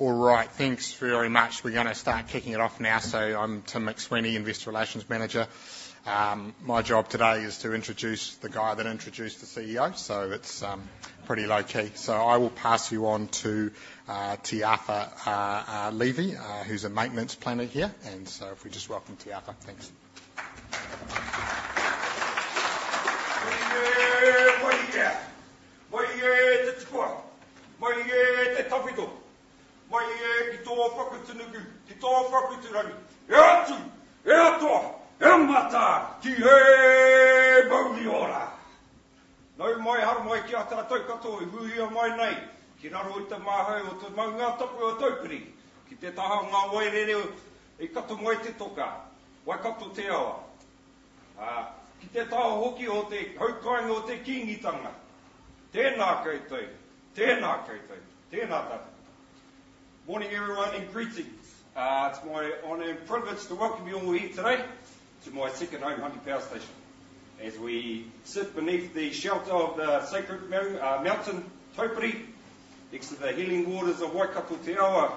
All right, thanks very much. We're gonna start kicking it off now. So I'm Tim McSweeney, Investor Relations Manager. My job today is to introduce the guy that introduced the CEO, so it's pretty low-key. So I will pass you on to Te Apa Levy, who's a maintenance planner here. And so if we just welcome Te Apa. Thanks. Morning, everyone, and greetings. It's my honor and privilege to welcome you all here today to my second home, Huntly Power Station. As we sit beneath the shelter of the sacred mountain, Taupiri, next to the healing waters of Waikato Te Awa,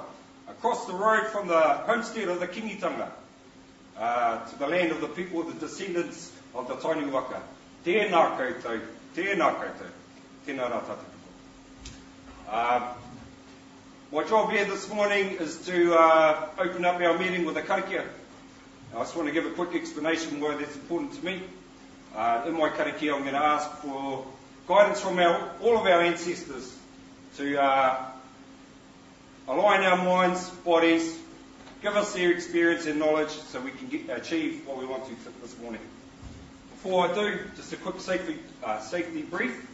across the road from the homestead of the Kingitanga, to the land of the people, the descendants of the Tainui waka. Tēnā koutou. Tēnā koutou. Tēnā rā tātou katoa. My job here this morning is to open up our meeting with a karakia. I just want to give a quick explanation why that's important to me. In my karakia, I'm going to ask for guidance from our, all of our ancestors to align our minds, bodies, give us their experience and knowledge, so we can get achieve what we want to this morning. Before I do, just a quick safety brief.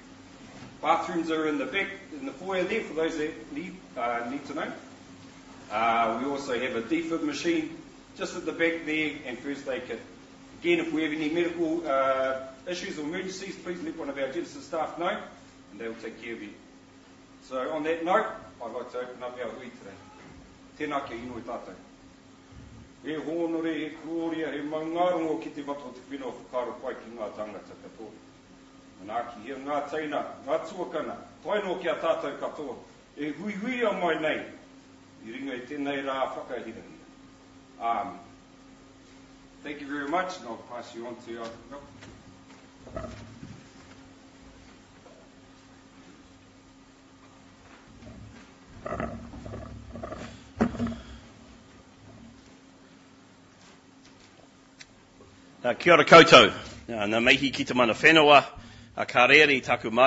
Bathrooms are in the back, in the foyer there, for those that need to know. We also have a defib machine just at the back there, and first aid kit. Again, if we have any medical issues or emergencies, please let one of our Genesis staff know, and they'll take care of you. So on that note, I'd like to open up our hui today. Tēnā koutou tātou. Thank you very much, and I'll pass you on to our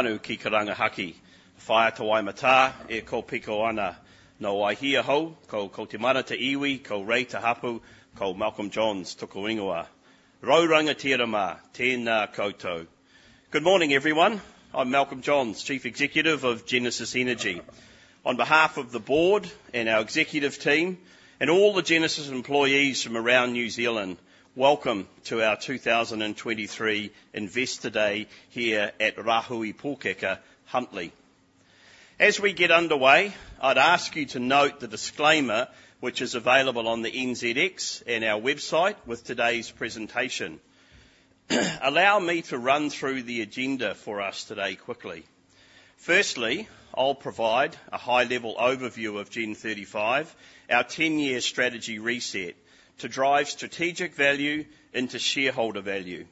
Malcolm. Good morning, everyone. I'm Malcolm Johns, Chief Executive of Genesis Energy. On behalf of the Board and our Executive Team and all the Genesis employees from around New Zealand, welcome to our 2023 Investor Day here at Rāhui Pōkeka, Huntly. As we get underway, I'd ask you to note the disclaimer, which is available on the NZX and our website with today's presentation. Allow me to run through the agenda for us today quickly. Firstly, I'll provide a high-level overview of Gen35, our ten-year strategy reset to drive strategic value into shareholder value.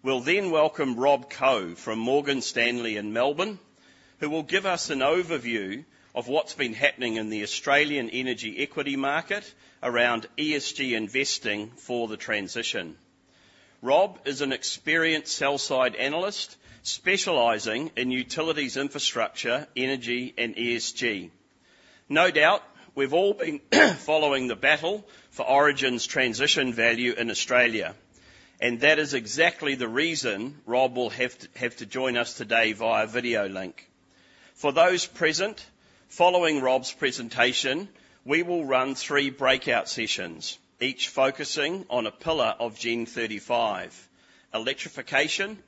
We'll then welcome Rob Koh from Morgan Stanley in Melbourne, who will give us an overview of what's been happening in the Australian energy equity market around ESG investing for the transition. Rob is an experienced Sell-side Analyst, specializing in utilities, infrastructure, energy and ESG. No doubt, we've all been following the battle for Origin's transition value in Australia, and that is exactly the reason Rob will have to join us today via video link. For those present, following Rob's presentation, we will run three breakout sessions, each focusing on a pillar of Gen35: electrification,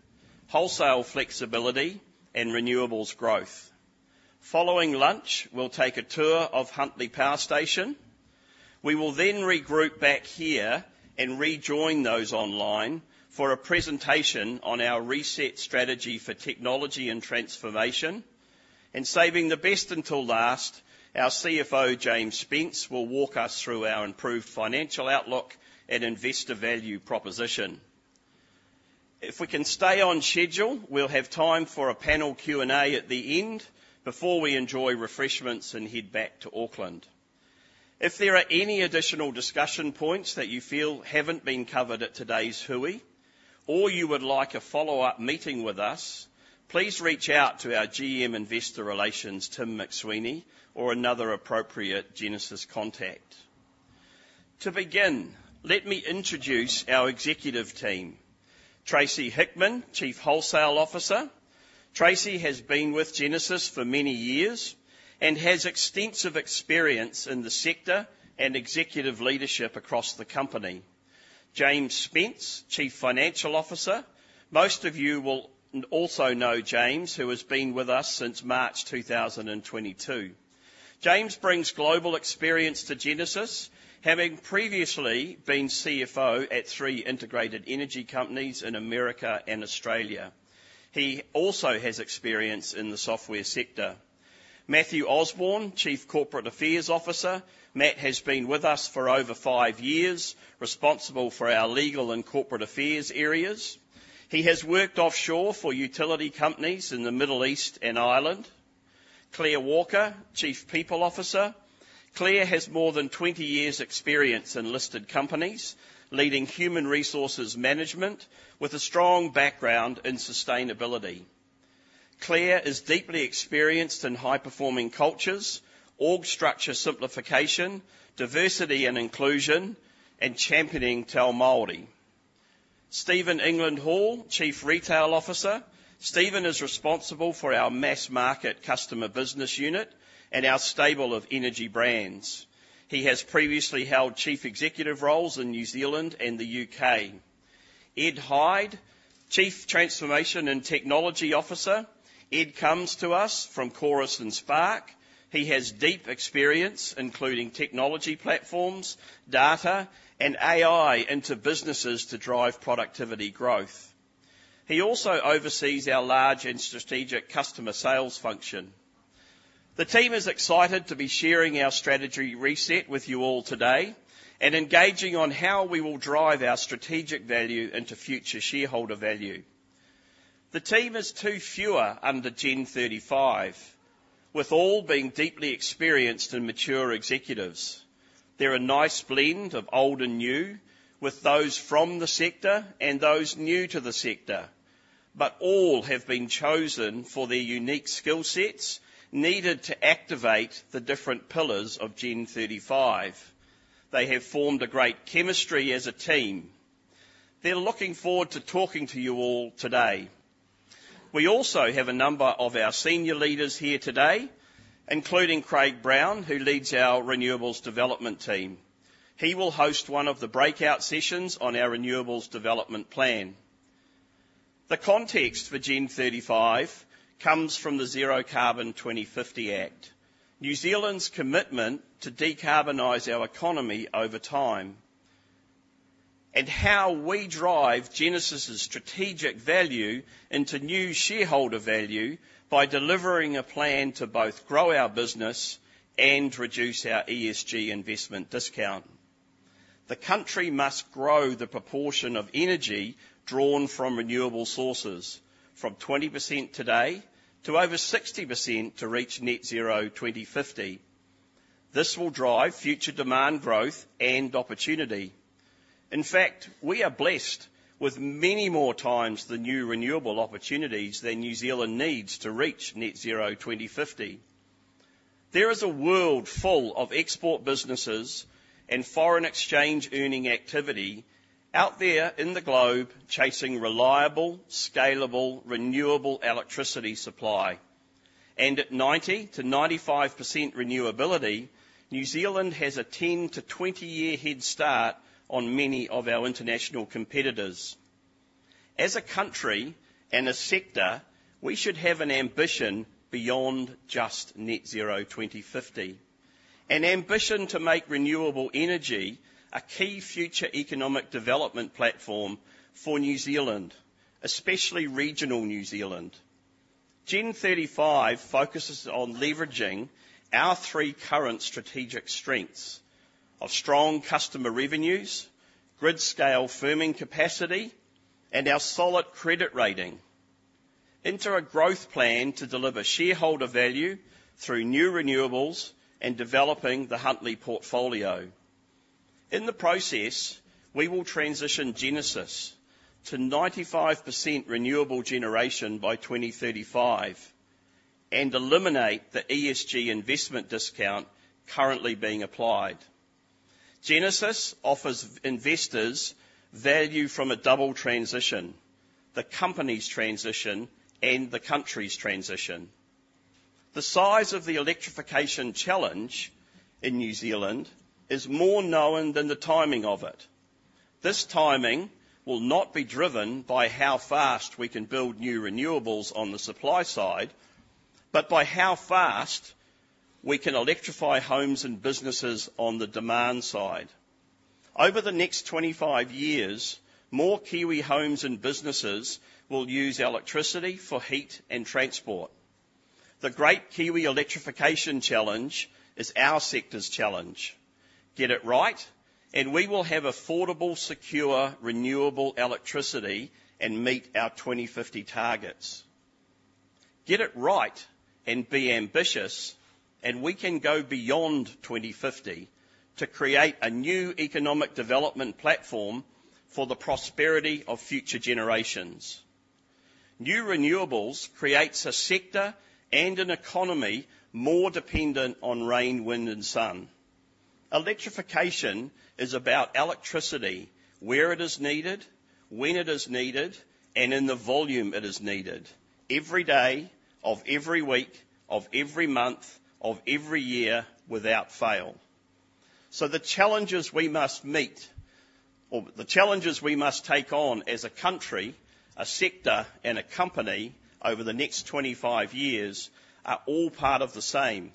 wholesale flexibility, and renewables growth. Following lunch, we'll take a tour of Huntly Power Station. We will then regroup back here and rejoin those online for a presentation on our reset strategy for Technology and Transformation. And saving the best until last, our CFO, James Spence, will walk us through our improved financial outlook and investor value proposition. If we can stay on schedule, we'll have time for a panel Q&A at the end before we enjoy refreshments and head back to Auckland. If there are any additional discussion points that you feel haven't been covered at today's Hui, or you would like a follow-up meeting with us, please reach out to our GM Investor Relations, Tim McSweeney, or another appropriate Genesis contact. To begin, let me introduce our Executive Team. Tracey Hickman, Chief Wholesale Officer. Tracey has been with Genesis for many years and has extensive experience in the Sector and Executive Leadership across the company. James Spence, Chief Financial Officer. Most of you will also know James, who has been with us since March 2022. James brings global experience to Genesis, having previously been CFO at three integrated energy companies in America and Australia. He also has experience in the Software sector. Matthew Osborne, Chief Corporate Affairs Officer. Matt has been with us for over 5 years, responsible for our Legal and Corporate Affairs areas. He has worked offshore for utility companies in the Middle East and Ireland. Claire Walker, Chief People Officer. Claire has more than 20 years' experience in listed companies, leading Human Resources Management with a strong background in sustainability. Claire is deeply experienced in high-performing cultures, org structure simplification, diversity and inclusion, and championing Te Ao Māori. Stephen England-Hall, Chief Retail Officer. Steven is responsible for our mass market customer business unit and our stable of energy brands. He has previously held chief executive roles in New Zealand and the U.K.. Ed Hyde, Chief Transformation and Technology Officer. Ed comes to us from Chorus and Spark. He has deep experience, including technology platforms, data, and AI, into businesses to drive productivity growth. He also oversees our large and strategic customer sales function. The team is excited to be sharing our strategy reset with you all today and engaging on how we will drive our strategic value into future shareholder value. The team is two fewer under Gen35, with all being deeply experienced and mature executives. They're a nice blend of old and new, with those from the sector and those new to the sector, but all have been chosen for their unique skill sets needed to activate the different pillars of Gen35. They have formed a great chemistry as a team. They're looking forward to talking to you all today. We also have a number of our senior leaders here today, including Craig Brown, who leads our renewables development team. He will host one of the breakout sessions on our renewables development plan. The context for Gen35 comes from the Zero Carbon 2050 Act, New Zealand's commitment to decarbonize our economy over time, and how we drive Genesis's strategic value into new shareholder value by delivering a plan to both grow our business and reduce our ESG investment discount. The country must grow the proportion of energy drawn from renewable sources, from 20% today to over 60% to reach net zero 2050. This will drive future demand, growth, and opportunity. In fact, we are blessed with many more times the new renewable opportunities than New Zealand needs to reach net zero 2050. There is a world full of export businesses and foreign exchange earning activity out there in the globe, chasing reliable, scalable, renewable electricity supply. At 90%-95% renewability, New Zealand has a 10-20-year head start on many of our international competitors. As a country and a sector, we should have an ambition beyond just net zero 2050, an ambition to make renewable energy a key future economic development platform for New Zealand, especially regional New Zealand. Gen35 focuses on leveraging our three current strategic strengths of strong customer revenues, grid-scale firming capacity, and our solid credit rating into a growth plan to deliver shareholder value through new renewables and developing the Huntly Portfolio. In the process, we will transition Genesis to 95% renewable generation by 2035 and eliminate the ESG investment discount currently being applied. Genesis offers investors value from a double transition: the company's transition and the country's transition. The size of the electrification challenge in New Zealand is more known than the timing of it. This timing will not be driven by how fast we can build new renewables on the supply side, but by how fast we can electrify homes and businesses on the demand side. Over the next 25 years, more Kiwi homes and businesses will use electricity for heat and transport. The great Kiwi electrification challenge is our sector's challenge. Get it right, and we will have affordable, secure, renewable electricity and meet our 2050 targets. Get it right and be ambitious, and we can go beyond 2050 to create a new economic development platform for the prosperity of future generations. New renewables creates a sector and an economy more dependent on rain, wind, and sun. Electrification is about electricity, where it is needed, when it is needed, and in the volume it is needed, every day of every week, of every month, of every year, without fail. So the challenges we must meet, or the challenges we must take on as a country, a sector, and a company over the next 25 years, are all part of the same: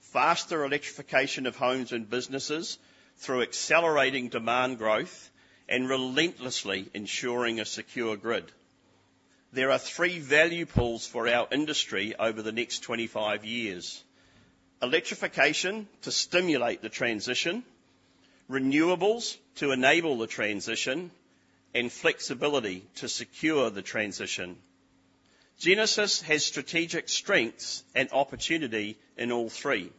faster electrification of homes and businesses through accelerating demand growth and relentlessly ensuring a secure grid. There are three value pools for our industry over the next 25 years: electrification to stimulate the transition, renewables to enable the transition, and flexibility to secure the transition. Genesis has strategic strengths and opportunity in all three.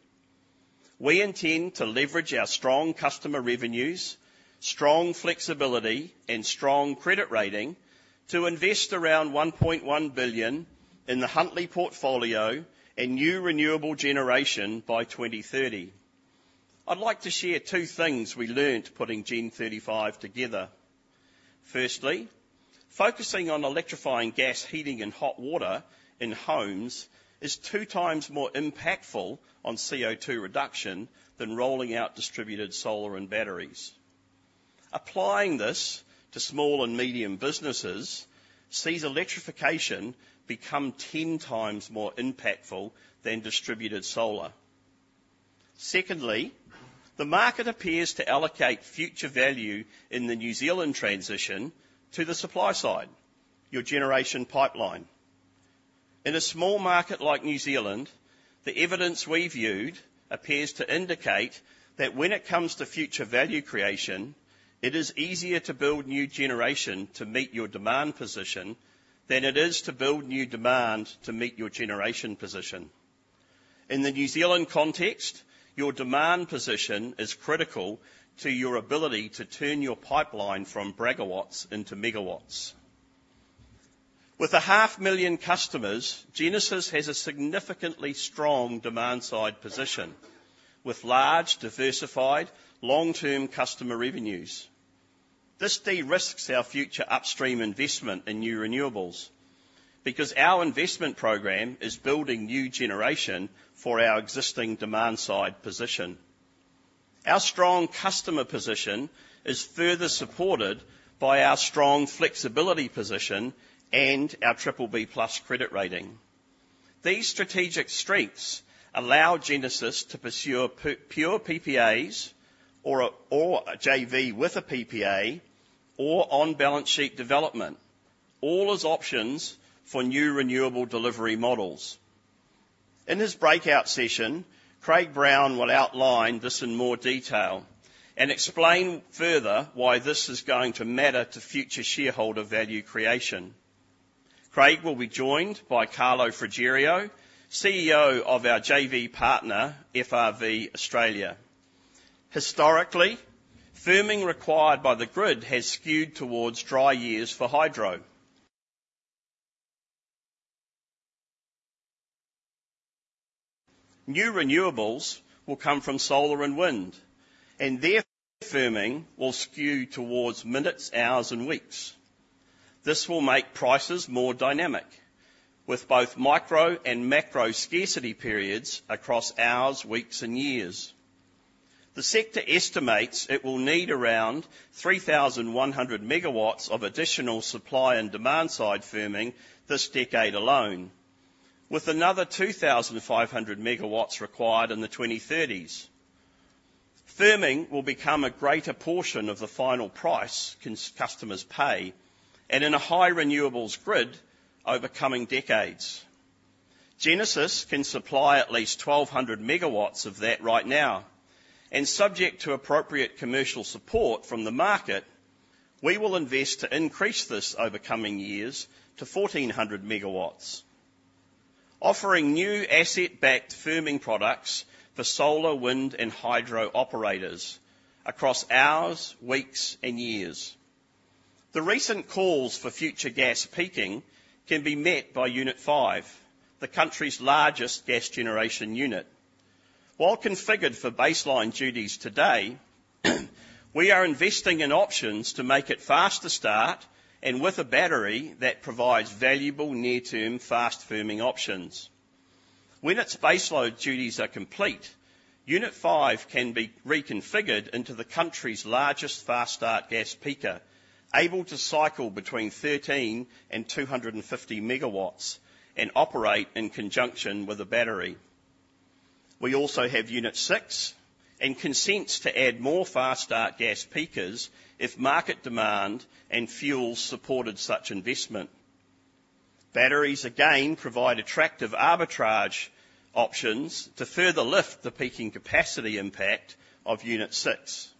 We intend to leverage our strong customer revenues, strong flexibility, and strong credit rating to invest around 1.1 billion in the Huntly Portfolio and new renewable generation by 2030. I'd like to share two things we learned putting Gen35 together. Firstly, focusing on electrifying gas, heating, and hot water in homes is two times more impactful on CO₂ reduction than rolling out distributed solar and batteries. Applying this to small and medium businesses sees electrification become 10 times more impactful than distributed solar. Secondly, the market appears to allocate future value in the New Zealand transition to the supply side, your generation pipeline. In a small market like New Zealand, the evidence we viewed appears to indicate that when it comes to future value creation, it is easier to build new generation to meet your demand position than it is to build new demand to meet your generation position. In the New Zealand context, your demand position is critical to your ability to turn your pipeline from braggawatts into megawatts. With 500,000 customers, Genesis has a significantly strong demand side position, with large, diversified, long-term customer revenues. This de-risks our future upstream investment in new renewables, because our investment program is building new generation for our existing demand side position. Our strong customer position is further supported by our strong flexibility position and our BBB+ credit rating. These strategic strengths allow Genesis to pursue pure PPAs or a, or a JV with a PPA or on-balance sheet development, all as options for new renewable delivery models. In this breakout session, Craig Brown will outline this in more detail and explain further why this is going to matter to future shareholder value creation. Craig will be joined by Carlo Frigerio, CEO of our JV partner, FRV Australia. Historically, firming required by the grid has skewed towards dry years for hydro. New renewables will come from solar and wind, and their firming will skew towards minutes, hours, and weeks. This will make prices more dynamic, with both micro and macro scarcity periods across hours, weeks, and years. The sector estimates it will need around 3,100 MW of additional supply and demand-side firming this decade alone, with another 2,500 MW required in the 2030s. Firming will become a greater portion of the final price customers pay, and in a high renewables grid over coming decades. Genesis can supply at least 1,200 MW of that right now, and subject to appropriate commercial support from the market, we will invest to increase this over coming years to 1,400 MW, offering new asset-backed firming products for solar, wind, and hydro operators across hours, weeks, and years. The recent calls for future gas peaking can be met by Unit Five, the country's largest gas generation unit. While configured for baseload duties today, we are investing in options to make it faster start and with a battery that provides valuable near-term fast firming options. When its baseload duties are complete, Unit Five can be reconfigured into the country's largest fast start gas peaker, able to cycle between 13 and 250 MW and operate in conjunction with a battery. We also have Unit Six and consents to add more fast start gas peakers if market demand and fuel supported such investment. Batteries, again, provide attractive arbitrage options to further lift the peaking capacity impact of Unit Six.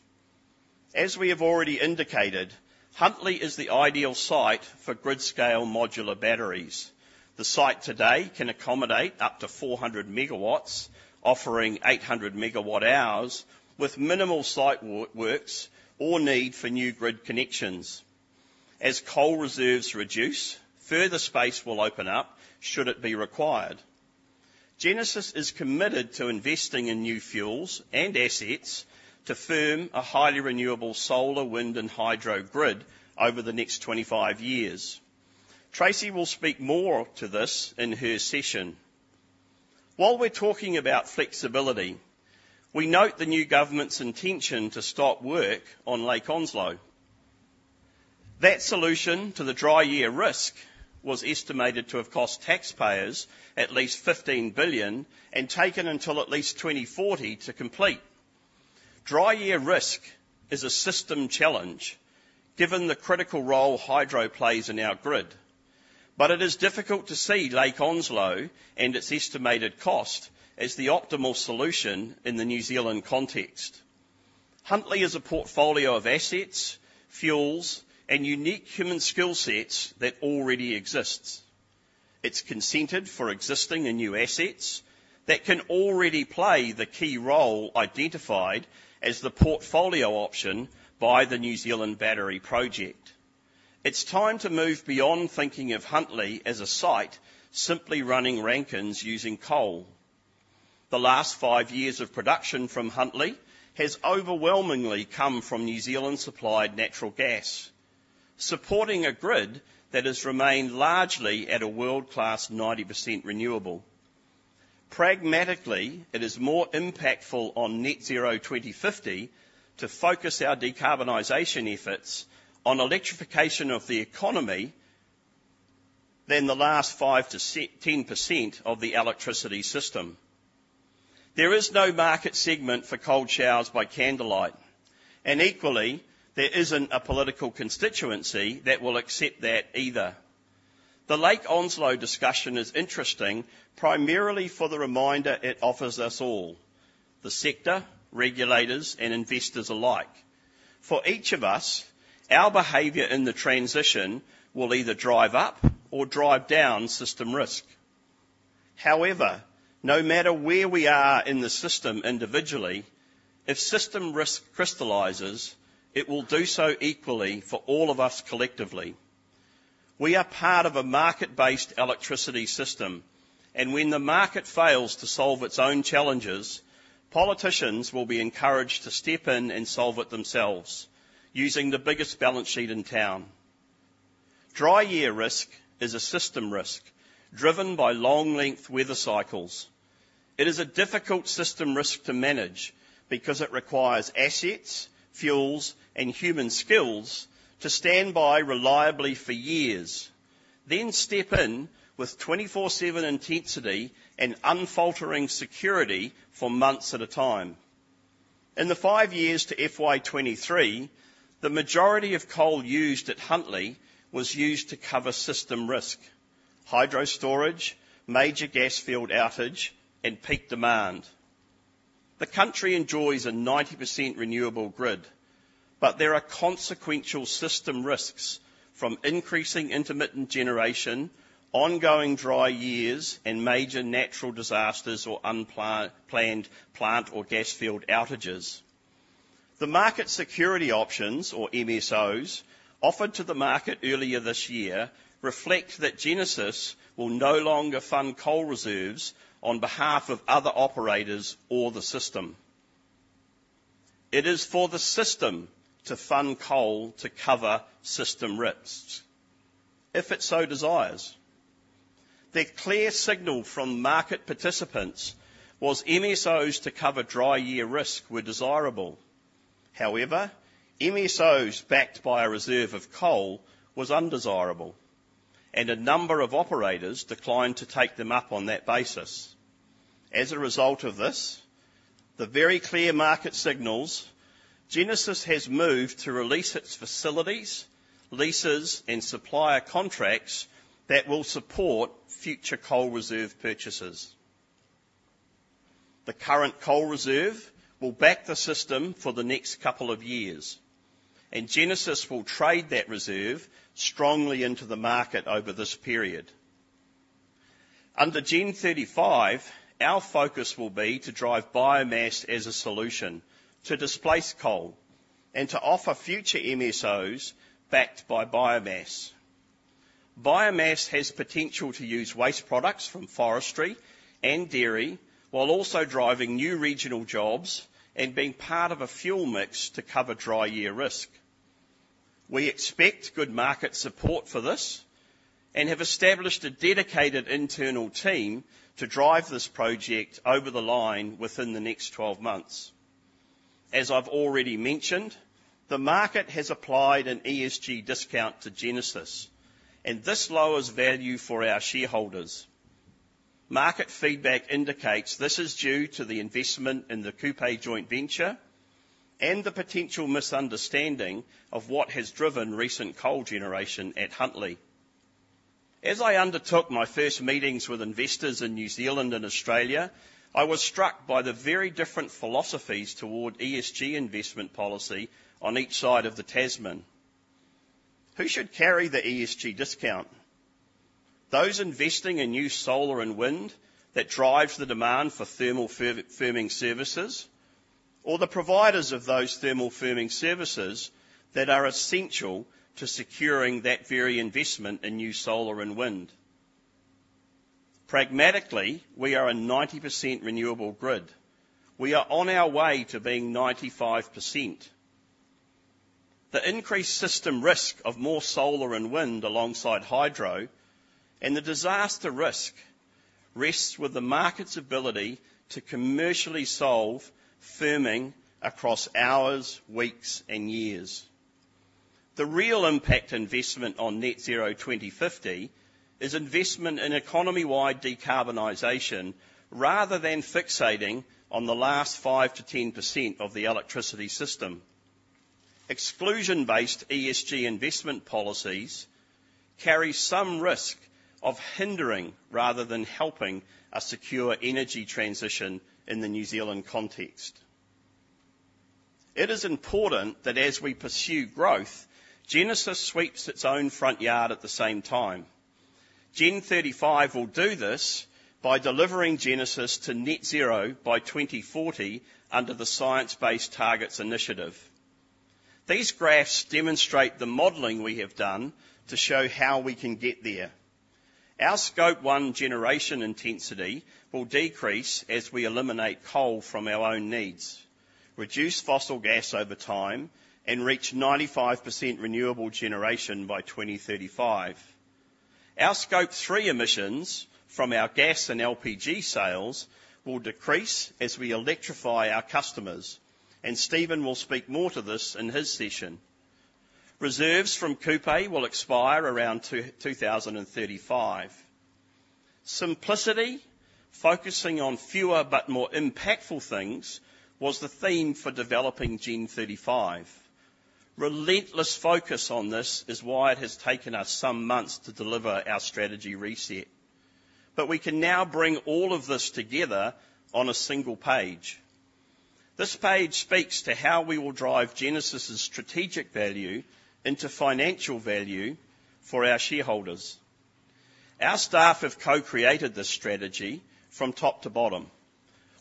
As we have already indicated, Huntly is the ideal site for grid-scale modular batteries. The site today can accommodate up to 400 MW, offering 800 MWh with minimal site works or need for new grid connections. As coal reserves reduce, further space will open up, should it be required. Genesis is committed to investing in new fuels and assets to firm a highly renewable solar, wind, and hydro grid over the next 25 years. Tracy will speak more to this in her session. While we're talking about flexibility, we note the new government's intention to stop work on Lake Onslow. That solution to the dry year risk was estimated to have cost taxpayers at least 15 billion and taken until at least 2040 to complete. Dry year risk is a system challenge, given the critical role hydro plays in our grid. But it is difficult to see Lake Onslow and its estimated cost as the optimal solution in the New Zealand context. Huntly is a portfolio of assets, fuels, and unique human skill sets that already exists. It's consented for existing and new assets that can already play the key role identified as the portfolio option by the New Zealand Battery Project. It's time to move beyond thinking of Huntly as a site simply running Rankines using coal. The last five years of production from Huntly has overwhelmingly come from New Zealand-supplied natural gas, supporting a grid that has remained largely at a world-class 90% renewable. Pragmatically, it is more impactful on Net Zero 2050 to focus our decarbonization efforts on electrification of the economy than the last five to ten percent of the electricity system. There is no market segment for cold showers by candlelight, and equally, there isn't a political constituency that will accept that either. The Lake Onslow discussion is interesting, primarily for the reminder it offers us all, the sector, regulators, and investors alike. For each of us, our behavior in the transition will either drive up or drive down system risk. However, no matter where we are in the system individually, if system risk crystallizes, it will do so equally for all of us collectively. We are part of a market-based electricity system, and when the market fails to solve its own challenges, politicians will be encouraged to step in and solve it themselves, using the biggest balance sheet in town. Dry year risk is a system risk driven by long-length weather cycles. It is a difficult system risk to manage because it requires assets, fuels, and human skills to stand by reliably for years, then step in with 24/7 intensity and unfaltering security for months at a time. In the five years to FY 2023, the majority of coal used at Huntly was used to cover system risk, hydro storage, major gas field outage, and peak demand. The country enjoys a 90% renewable grid, but there are consequential system risks from increasing intermittent generation, ongoing dry years, and major natural disasters or unplanned plant or gas field outages. The Market Security Options, or MSOs, offered to the market earlier this year, reflect that Genesis will no longer fund coal reserves on behalf of other operators or the system. It is for the system to fund coal to cover system risks, if it so desires. The clear signal from market participants was MSOs to cover dry year risk were desirable. However, MSOs backed by a reserve of coal was undesirable, and a number of operators declined to take them up on that basis. As a result of this, the very clear market signals, Genesis has moved to release its facilities, leases, and supplier contracts that will support future coal reserve purchases. The current coal reserve will back the system for the next couple of years, and Genesis will trade that reserve strongly into the market over this period. Under Gen 35, our focus will be to drive biomass as a solution to displace coal and to offer future MSOs backed by biomass. Biomass has the potential to use waste products from forestry and dairy, while also driving new regional jobs and being part of a fuel mix to cover dry year risk. We expect good market support for this and have established a dedicated internal team to drive this project over the line within the next 12 months. As I've already mentioned, the market has applied an ESG discount to Genesis, and this lowers value for our shareholders. Market feedback indicates this is due to the investment in the Kupe joint venture and the potential misunderstanding of what has driven recent coal generation at Huntly. As I undertook my first meetings with investors in New Zealand and Australia, I was struck by the very different philosophies toward ESG Investment Policy on each side of the Tasman. Who should carry the ESG discount? Those investing in new solar and wind that drives the demand for thermal firming services, or the providers of those thermal firming services that are essential to securing that very investment in new solar and wind? Pragmatically, we are a 90% renewable grid. We are on our way to being 95%.... The increased system risk of more solar and wind alongside hydro, and the disaster risk rests with the market's ability to commercially solve firming across hours, weeks, and years. The real impact investment on Net Zero 2050 is investment in economy-wide decarbonization, rather than fixating on the last 5%-10% of the electricity system. Exclusion-based ESG investment policies carry some risk of hindering rather than helping a secure energy transition in the New Zealand context. It is important that as we pursue growth, Genesis sweeps its own front yard at the same time. Gen35 will do this by delivering Genesis to net zero by 2040 under the Science-Based Targets initiative. These graphs demonstrate the modeling we have done to show how we can get there. Our Scope One generation intensity will decrease as we eliminate coal from our own needs, reduce fossil gas over time, and reach 95% renewable generation by 2035. Our Scope Three emissions from our gas and LPG sales will decrease as we electrify our customers, and Stephen will speak more to this in his session. Reserves from Kupe will expire around 2035. Simplicity, focusing on fewer but more impactful things, was the theme for developing Gen35. Relentless focus on this is why it has taken us some months to deliver our strategy reset, but we can now bring all of this together on a single page. This page speaks to how we will drive Genesis' strategic value into financial value for our shareholders. Our staff have co-created this strategy from top to bottom.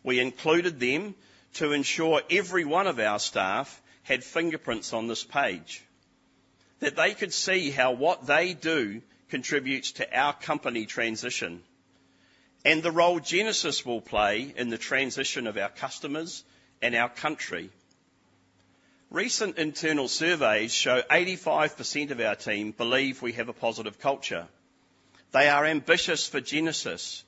We included them to ensure every one of our staff had fingerprints on this page, that they could see how what they do contributes to our company transition, and the role Genesis will play in the transition of our customers and our country. Recent internal surveys show 85% of our team believe we have a positive culture. They are ambitious for Genesis,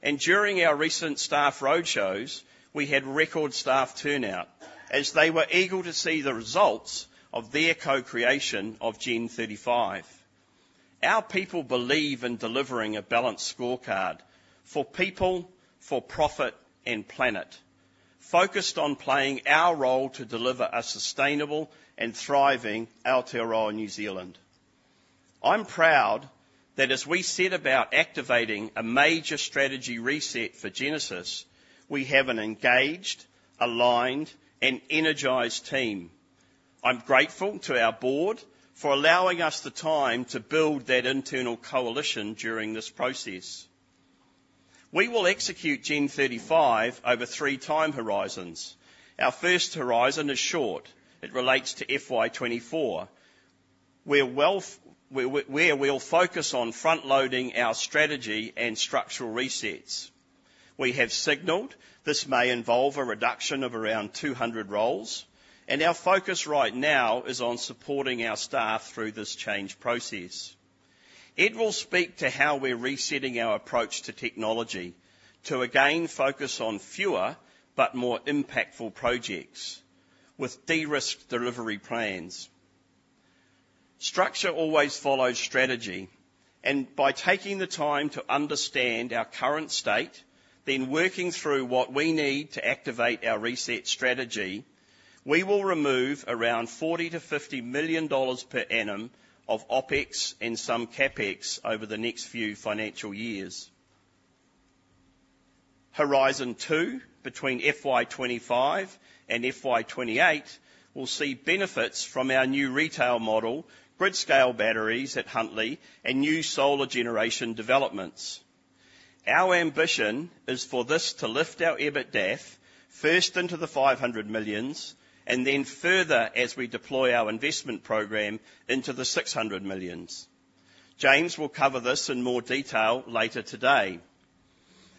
and during our recent staff roadshows, we had record staff turnout, as they were eager to see the results of their co-creation of Gen 35. Our people believe in delivering a balanced scorecard for people, for profit, and planet, focused on playing our role to deliver a sustainable and thriving Aotearoa, New Zealand. I'm proud that as we set about activating a major strategy reset for Genesis, we have an engaged, aligned and energized team. I'm grateful to our board for allowing us the time to build that internal coalition during this process. We will execute Gen 35 over three time horizons. Our first horizon is short. It relates to FY 2024, where we'll focus on front-loading our strategy and structural resets. We have signaled this may involve a reduction of around 200 roles, and our focus right now is on supporting our staff through this change process. It will speak to how we're resetting our approach to technology to again focus on fewer but more impactful projects with de-risked delivery plans. Structure always follows strategy, and by taking the time to understand our current state, then working through what we need to activate our reset strategy, we will remove around 40 million-50 million dollars per annum of OpEx and some CapEx over the next few financial years. Horizon two, between FY 2025 and FY 2028, will see benefits from our new retail model, grid-scale batteries at Huntly, and new solar generation developments. Our ambition is for this to lift our EBITDAF first into the 500 millions, and then further as we deploy our investment program into the 600 millions. James will cover this in more detail later today.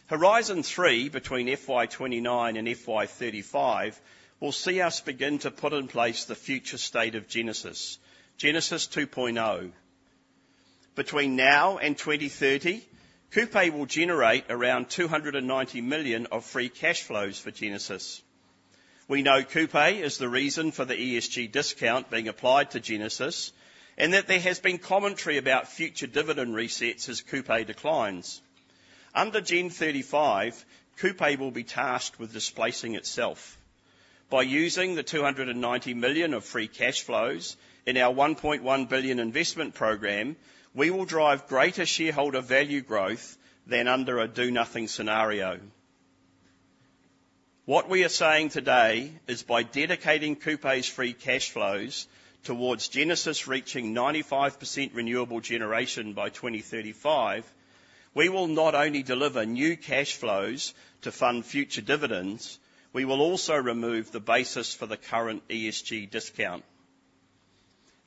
Horizon three, between FY 2029 and FY 2035, will see us begin to put in place the future state of Genesis, Genesis 2.0. Between now and 2030, Kupe will generate around 290 million of free cash flows for Genesis. We know Kupe is the reason for the ESG discount being applied to Genesis, and that there has been commentary about future dividend resets as Kupe declines. Under Gen 35, Kupe will be tasked with displacing itself. By using the 290 million of free cash flows in our 1.1 billion investment program, we will drive greater shareholder value growth than under a do-nothing scenario. What we are saying today is, by dedicating Kupe's free cash flows towards Genesis reaching 95% renewable generation by 2035, we will not only deliver new cash flows to fund future dividends, we will also remove the basis for the current ESG discount.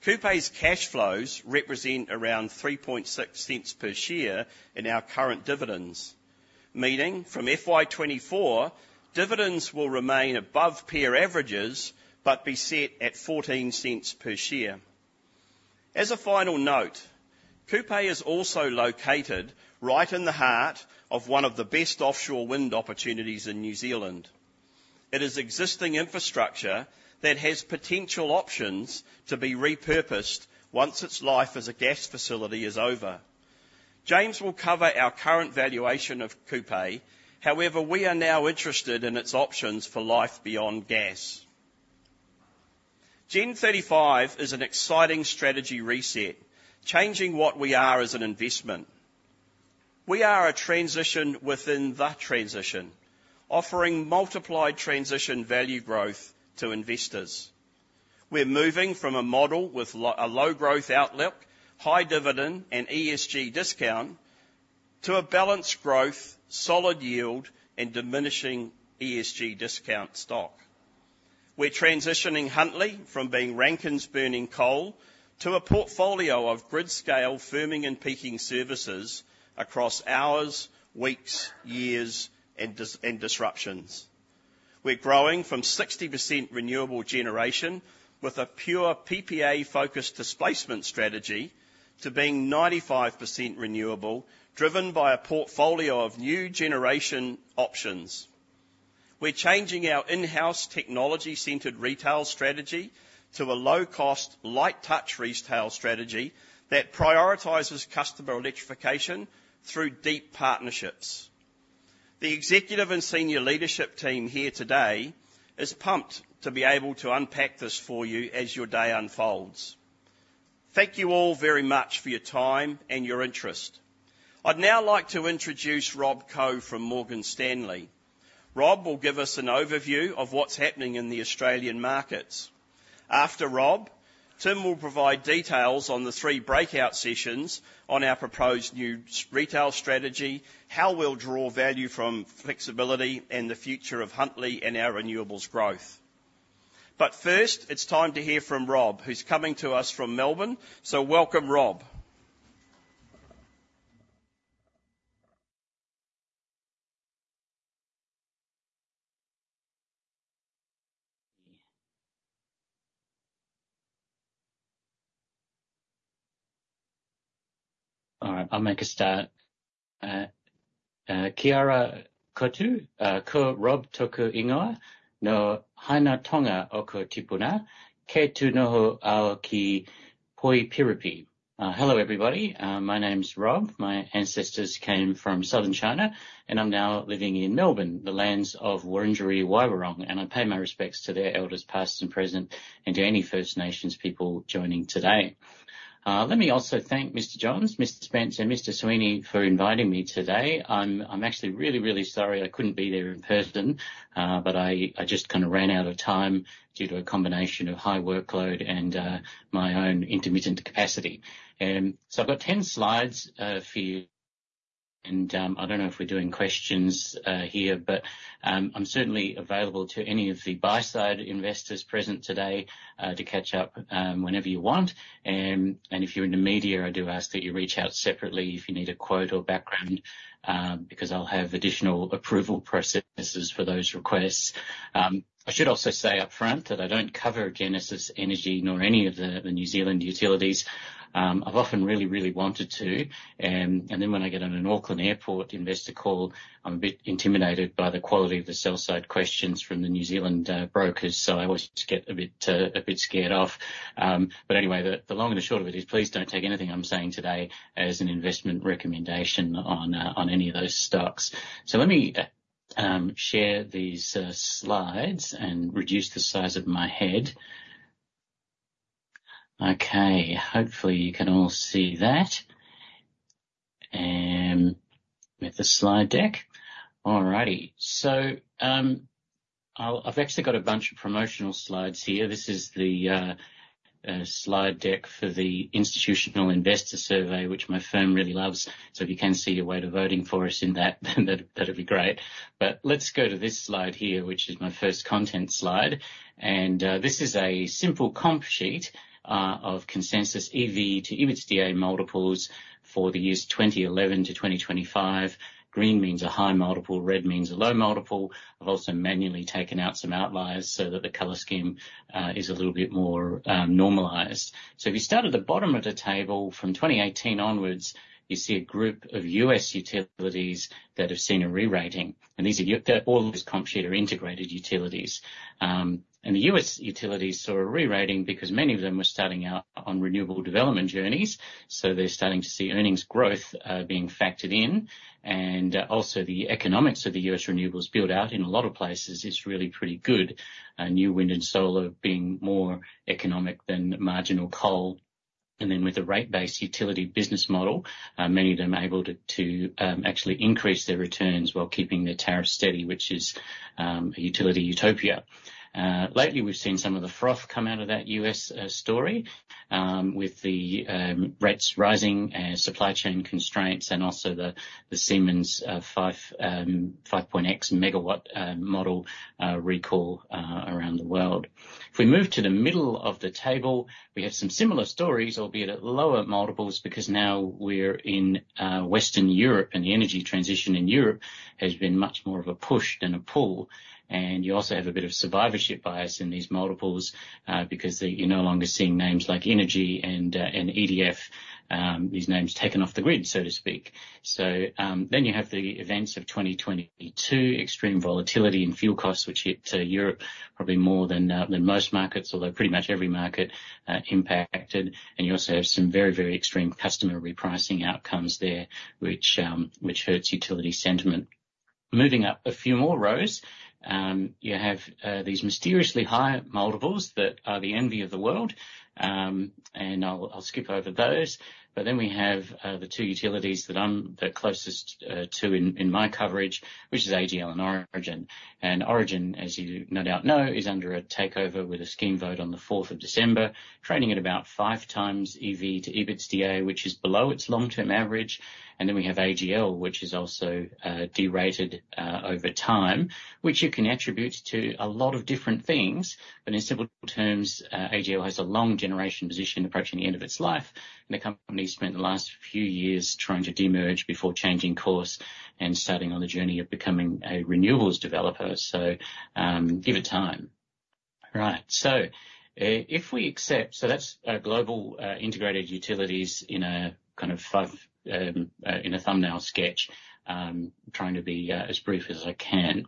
Kupe's cash flows represent around 0.036 per share in our current dividends. Meaning from FY 2024, dividends will remain above peer averages, but be set at 0.14 per share. As a final note, Kupe is also located right in the heart of one of the best offshore wind opportunities in New Zealand. It is existing infrastructure that has potential options to be repurposed once its life as a gas facility is over. James will cover our current valuation of Kupe. However, we are now interested in its options for life beyond gas. Gen35 is an exciting strategy reset, changing what we are as an investment. We are a transition within the transition, offering multiplied transition value growth to investors. We're moving from a model with a low growth outlook, high dividend, and ESG discount, to a balanced growth, solid yield, and diminishing ESG discount stock. We're transitioning Huntly from being Rankins burning coal, to a portfolio of grid-scale firming and peaking services across hours, weeks, years, and disruptions. We're growing from 60% renewable generation with a pure PPA-focused displacement strategy to being 95% renewable, driven by a portfolio of new generation options. We're changing our in-house technology-centered retail strategy to a low-cost, light-touch retail strategy that prioritizes customer electrification through deep partnerships. The executive and senior leadership team here today is pumped to be able to unpack this for you as your day unfolds. Thank you all very much for your time and your interest. I'd now like to introduce Rob Koh from Morgan Stanley. Rob will give us an overview of what's happening in the Australian markets. After Rob, Tim will provide details on the three breakout sessions on our proposed new retail strategy, how we'll draw value from flexibility, and the future of Huntly, and our renewables growth. But first, it's time to hear from Rob, who's coming to us from Melbourne. So welcome, Rob. All right, I'll make a start. Kia ora koutou, ko Rob tōku ingoa, nō Haina Tonga ōku tīpuna, kei te noho au ki Poipiripi. Hello, everybody. My name is Rob. My ancestors came from Southern China, and I'm now living in Melbourne, the lands of Wurundjeri Woi Wurrung, and I pay my respects to their elders, past and present, and to any First Nations people joining today. Let me also thank Mr. Johns, Mr. Spence, and Mr. McSweeney for inviting me today. I'm actually really, really sorry I couldn't be there in person, but I just kind of ran out of time due to a combination of high workload and my own intermittent capacity. So I've got 10 slides for you, and I don't know if we're doing questions here, but I'm certainly available to any of the buy-side investors present today to catch up whenever you want. And if you're in the media, I do ask that you reach out separately if you need a quote or background because I'll have additional approval processes for those requests. I should also say upfront that I don't cover Genesis Energy nor any of the New Zealand utilities. I've often really, really wanted to, and then when I get on an Auckland Airport investor call, I'm a bit intimidated by the quality of the sell-side questions from the New Zealand brokers, so I always get a bit scared off. But anyway, the long and short of it is, please don't take anything I'm saying today as an investment recommendation on any of those stocks. So let me share these slides and reduce the size of my head. Okay, hopefully, you can all see that with the slide deck. All righty. So, I've actually got a bunch of promotional slides here. This is the slide deck for the Institutional Investor Survey, which my firm really loves. So if you can see your way to voting for us in that, that'd be great. But let's go to this slide here, which is my first content slide, and this is a simple comp sheet of Consensus EV/EBITDA multiples for the years 2011 to 2025. Green means a high multiple, red means a low multiple. I've also manually taken out some outliers so that the color scheme is a little bit more normalized. So if you start at the bottom of the table, from 2018 onwards, you see a group of U.S. utilities that have seen a re-rating, and these are Y-- they're all this comp sheet are integrated utilities. And the U.S. utilities saw a re-rating because many of them were starting out on renewable development journeys, so they're starting to see earnings growth being factored in. And also, the economics of the U.S. renewables build out in a lot of places is really pretty good. New wind and solar being more economic than marginal coal.... And then with the rate-based utility business model, many of them are able to actually increase their returns while keeping their tariffs steady, which is a utility utopia. Lately, we've seen some of the froth come out of that U.S. story with the rates rising and supply chain constraints and also the Siemens 5.X MW model recall around the world. If we move to the middle of the table, we have some similar stories, albeit at lower multiples, because now we're in Western Europe, and the energy transition in Europe has been much more of a push than a pull. And you also have a bit of survivorship bias in these multiples, because they—you're no longer seeing names like Engie and EDF, these names taken off the grid, so to speak. So, then you have the events of 2022, extreme volatility and fuel costs, which hit Europe probably more than most markets, although pretty much every market impacted. And you also have some very, very extreme customer repricing outcomes there, which hurts utility sentiment. Moving up a few more rows, you have these mysteriously high multiples that are the envy of the world. And I'll, I'll skip over those. But then we have the two utilities that I'm the closest to in my coverage, which is AGL and Origin. And Origin, as you no doubt know, is under a takeover with a scheme vote on the fourth of December, trading at about 5x EV to EBITDA, which is below its long-term average. And then we have AGL, which is also derated over time, which you can attribute to a lot of different things. But in simple terms, AGL has a long generation position approaching the end of its life, and the company spent the last few years trying to demerge before changing course and starting on the journey of becoming a renewables developer. So, give it time. Right. So if we accept. So that's global integrated utilities in a kind of five in a thumbnail sketch. Trying to be as brief as I can.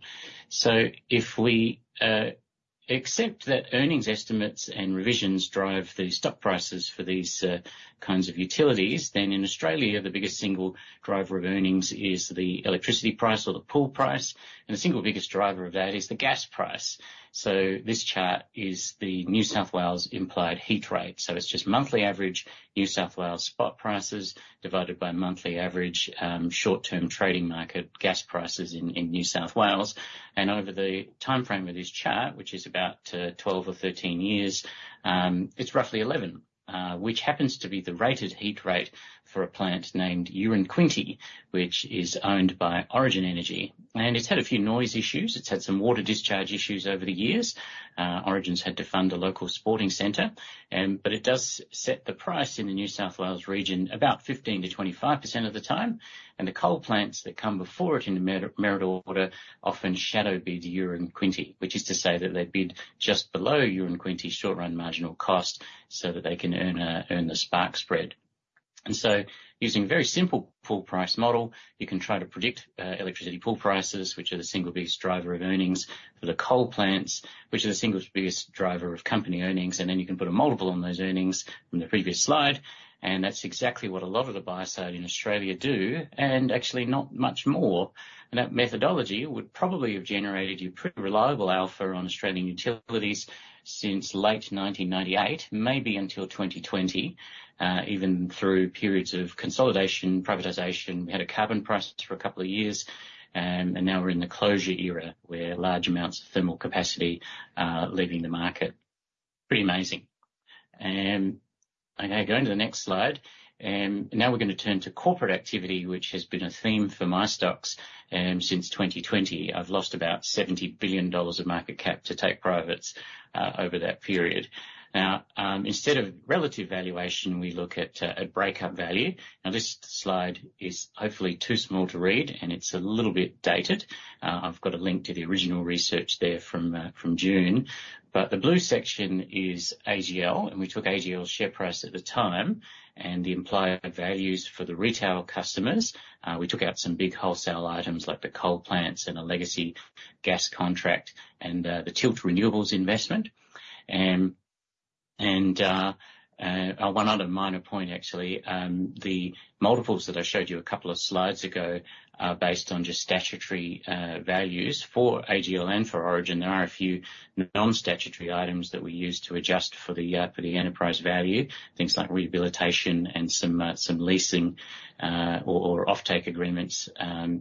So if we accept that earnings estimates and revisions drive the stock prices for these kinds of utilities, then in Australia, the biggest single driver of earnings is the electricity price or the pool price, and the single biggest driver of that is the gas price. So this chart is the New South Wales implied heat rate. It's just monthly average New South Wales spot prices divided by monthly average, short-term trading market gas prices in, in New South Wales. Over the timeframe of this chart, which is about 12 or 13 years, it's roughly 11. Which happens to be the rated heat rate for a plant named Uranquinty, which is owned by Origin Energy, and it's had a few noise issues. It's had some water discharge issues over the years. Origin's had to fund a local sporting center, but it does set the price in the New South Wales region about 15%-25% of the time, and the coal plants that come before it in the merit order often shadow bid Uranquinty, which is to say that they bid just below Uranquinty's short-run marginal cost so that they can earn a, earn the spark spread. And so using a very simple pool price model, you can try to predict, electricity pool prices, which are the single biggest driver of earnings for the coal plants, which are the single biggest driver of company earnings. And then you can put a multiple on those earnings from the previous slide, and that's exactly what a lot of the buyers out in Australia do, and actually not much more. That methodology would probably have generated you pretty reliable alpha on Australian utilities since late 1998, maybe until 2020, even through periods of consolidation, privatization. We had a carbon price for a couple of years, and now we're in the closure era, where large amounts of thermal capacity are leaving the market. Pretty amazing. Okay, go into the next slide. Now we're gonna turn to corporate activity, which has been a theme for my stocks, since 2020. I've lost about 70 billion dollars of market cap to take privates, over that period. Now, instead of relative valuation, we look at, at breakup value. Now, this slide is hopefully too small to read, and it's a little bit dated. I've got a link to the original research there from June, but the blue section is AGL, and we took AGL's share price at the time and the implied values for the retail customers. We took out some big wholesale items, like the coal plants and a legacy gas contract and the Tilt Renewables investment. And one other minor point, actually, the multiples that I showed you a couple of slides ago are based on just statutory values for AGL and for Origin. There are a few non-statutory items that we use to adjust for the enterprise value. Things like rehabilitation and some leasing or offtake agreements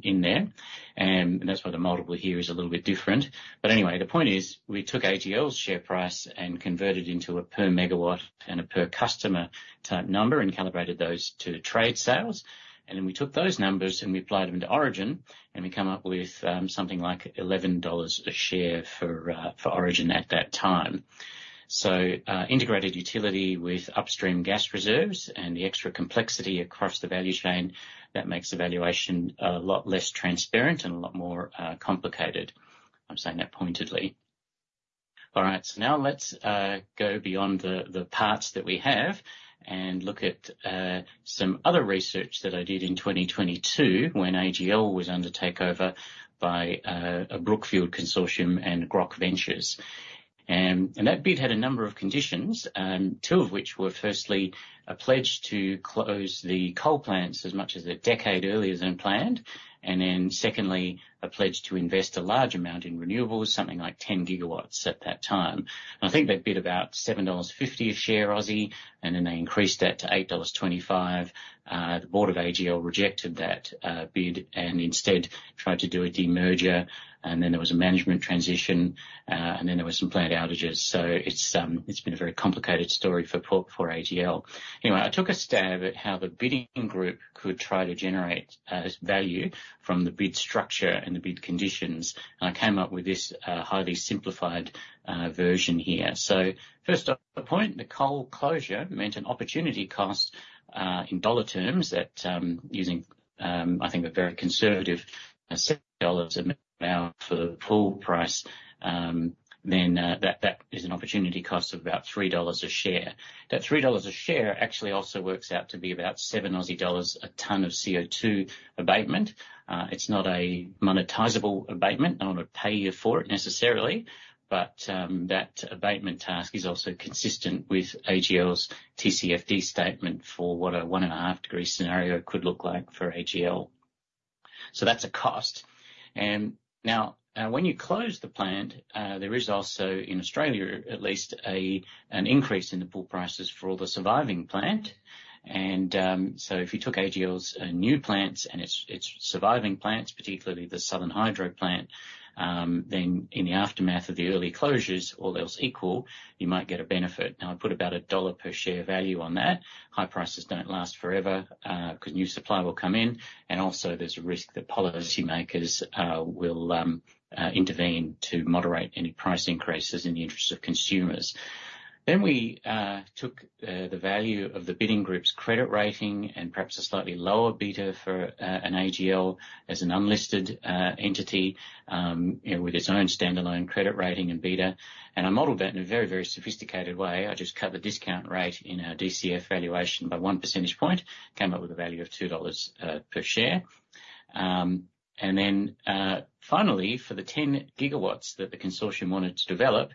in there. And that's why the multiple here is a little bit different. Anyway, the point is, we took AGL's share price and converted into a per megawatt and a per customer type number and calibrated those to trade sales, and then we took those numbers, and we applied them to Origin, and we come up with something like 11 dollars a share for Origin at that time. So, integrated utility with upstream gas reserves and the extra complexity across the value chain, that makes the valuation a lot less transparent and a lot more complicated. I'm saying that pointedly. All right, so now let's go beyond the parts that we have and look at some other research that I did in 2022 when AGL was under takeover by a Brookfield consortium and Grok Ventures.... That bid had a number of conditions, two of which were firstly, a pledge to close the coal plants as much as a decade earlier than planned, and then secondly, a pledge to invest a large amount in renewables, something like 10 gigawatts at that time. And I think they bid about 7.50 dollars a share, Aussie, and then they increased that to 8.25 dollars. The board of AGL rejected that bid and instead tried to do a demerger, and then there was a management transition, and then there were some plant outages. So it's been a very complicated story for AGL. Anyway, I took a stab at how the bidding group could try to generate value from the bid structure and the bid conditions, and I came up with this, highly simplified, version here. So first off, the point, the coal closure meant an opportunity cost in dollar terms that using I think a very conservative 7 dollars an hour for the full price then that is an opportunity cost of about 3 dollars a share. That 3 dollars a share actually also works out to be about 7 Aussie dollars a ton of CO2 abatement. It's not a monetizable abatement. No one would pay you for it necessarily, but that abatement task is also consistent with AGL's TCFD statement for what a 1.5-degree scenario could look like for AGL. So that's a cost. And now when you close the plant there is also in Australia at least an increase in the pool prices for all the surviving plant. So if you took AGL's new plants and its, its surviving plants, particularly the Southern Hydro plant, then in the aftermath of the early closures, all else equal, you might get a benefit. Now, I'd put about AUD 1 per share value on that. High prices don't last forever, because new supply will come in. And also there's a risk that policymakers will intervene to moderate any price increases in the interests of consumers. Then we took the value of the bidding group's credit rating and perhaps a slightly lower beta for an AGL as an unlisted entity, you know, with its own standalone credit rating and beta, and I modeled that in a very, very sophisticated way. I just cut the discount rate in our DCF valuation by one percentage point. Came up with a value of 2 dollars per share. And then, finally, for the 10 GW that the consortium wanted to develop,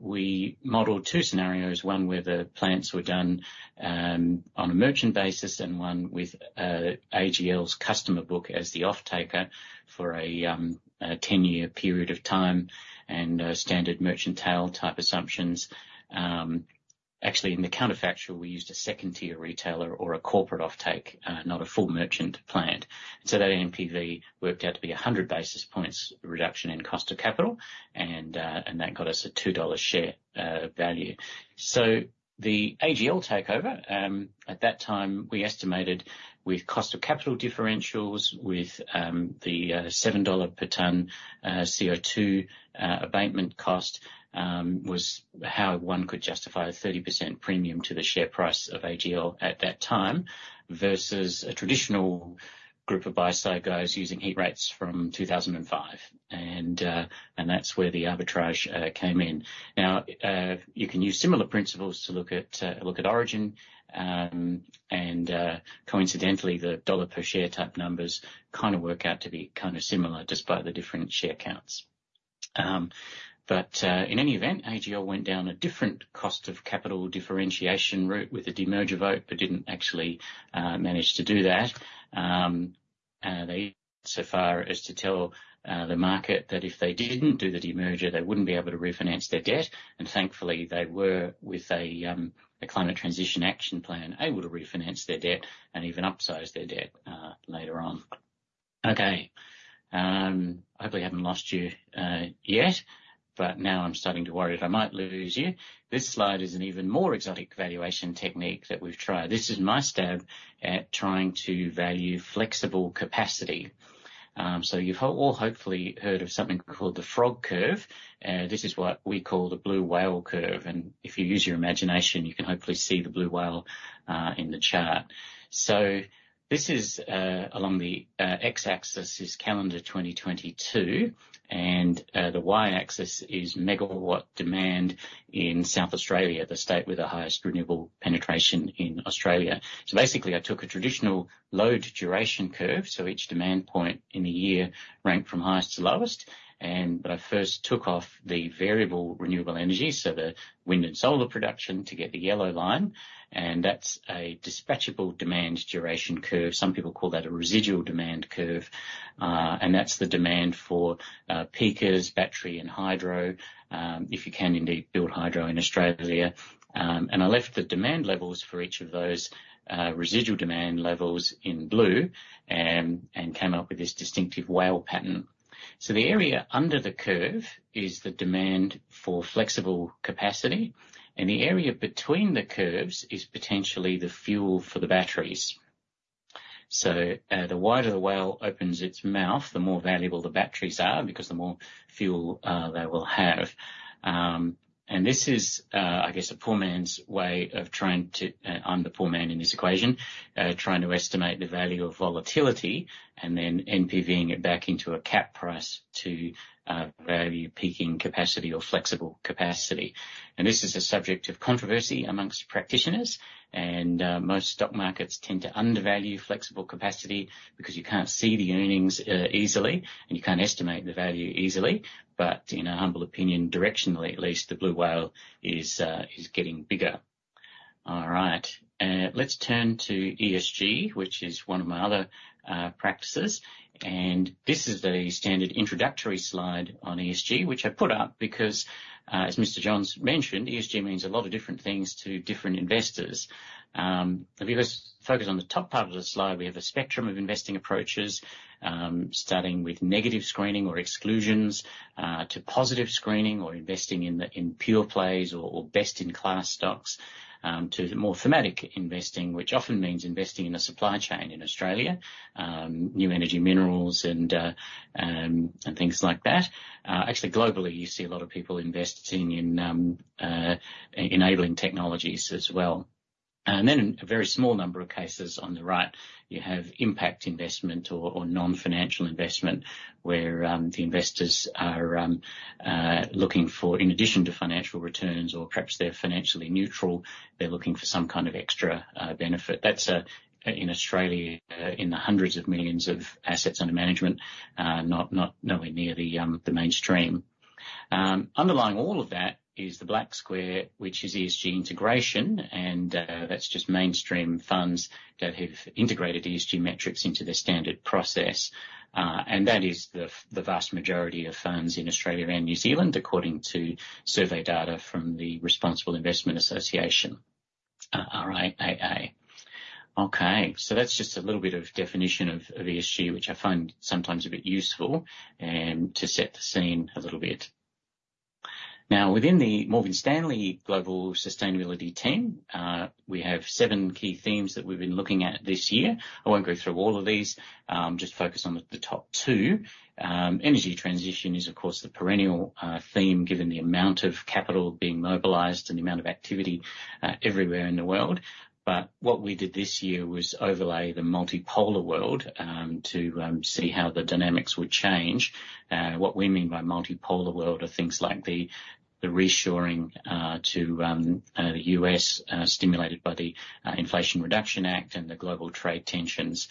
we modeled two scenarios, one where the plants were done on a merchant basis and one with AGL's customer book as the offtaker for a 10-year period of time and standard merchant tail type assumptions. Actually, in the counterfactual, we used a second-tier retailer or a corporate offtake, not a full merchant plant. So that NPV worked out to be a 100 basis points reduction in cost of capital, and that got us a 2 dollar share value. So the AGL takeover, at that time, we estimated with cost of capital differentials, with the 7 dollar per ton CO2 abatement cost, was how one could justify a 30% premium to the share price of AGL at that time, versus a traditional group of buy-side guys using heat rates from 2005. And that's where the arbitrage came in. Now you can use similar principles to look at Origin. And coincidentally, the dollar per share type numbers kind of work out to be kind of similar, despite the different share counts. But in any event, AGL went down a different cost of capital differentiation route with the demerger vote, but didn't actually manage to do that. They so far as to tell the market that if they didn't do the demerger, they wouldn't be able to refinance their debt, and thankfully, they were with a Climate Transition Action Plan, able to refinance their debt and even upsize their debt later on. Okay, hopefully I haven't lost you yet, but now I'm starting to worry that I might lose you. This slide is an even more exotic valuation technique that we've tried. This is my stab at trying to value flexible capacity. So you've all hopefully heard of something called the frog curve. This is what we call the Blue Whale Curve, and if you use your imagination, you can hopefully see the blue whale in the chart. So this is, along the, x-axis is calendar 2022, and, the y-axis is megawatt demand in South Australia, the state with the highest renewable penetration in Australia. So basically, I took a traditional load duration curve, so each demand point in the year ranked from highest to lowest, but I first took off the variable renewable energy, so the wind and solar production to get the yellow line, and that's a dispatchable demand duration curve. Some people call that a residual demand curve. And that's the demand for, peakers, battery, and hydro, if you can indeed build hydro in Australia. And I left the demand levels for each of those, residual demand levels in blue, and came up with this distinctive whale pattern. So the area under the curve is the demand for flexible capacity, and the area between the curves is potentially the fuel for the batteries. So, the wider the Blue Whale opens its mouth, the more valuable the batteries are, because the more fuel they will have. And this is, I guess, a poor man's way of trying to... I'm the poor man in this equation. Trying to estimate the value of volatility and then NPVing it back into a cap price to value peaking capacity or flexible capacity. And this is a subject of controversy among practitioners, and most stock markets tend to undervalue flexible capacity because you can't see the earnings easily and you can't estimate the value easily. But in our humble opinion, directionally at least, the Blue Whale is getting bigger... All right, let's turn to ESG, which is one of my other practices, and this is the standard introductory slide on ESG, which I put up because, as Mr. Johns mentioned, ESG means a lot of different things to different investors. If you just focus on the top part of the slide, we have a spectrum of investing approaches, starting with negative screening or exclusions, to positive screening or investing in the, in pure plays or, or best-in-class stocks, to more thematic investing, which often means investing in a supply chain in Australia, new energy minerals and, and things like that. Actually, globally, you see a lot of people investing in, enabling technologies as well. Then, a very small number of cases on the right, you have impact investment or, or non-financial investment, where the investors are looking for in addition to financial returns, or perhaps they're financially neutral, they're looking for some kind of extra benefit. That's in Australia, AUD hundreds of millions in assets under management, not nowhere near the mainstream. Underlying all of that is the black square, which is ESG integration, and that's just mainstream funds that have integrated ESG metrics into their standard process. That is the vast majority of funds in Australia and New Zealand, according to survey data from the Responsible Investment Association, RIAA. Okay, so that's just a little bit of definition of ESG, which I find sometimes a bit useful, to set the scene a little bit. Now, within the Morgan Stanley Global Sustainability team, we have seven key themes that we've been looking at this year. I won't go through all of these, just focus on the top two. Energy transition is, of course, the perennial theme, given the amount of capital being mobilized and the amount of activity, everywhere in the world. But what we did this year was overlay the multipolar world, to see how the dynamics would change. What we mean by multipolar world are things like the reshoring to the U.S. stimulated by the Inflation Reduction Act and the global trade tensions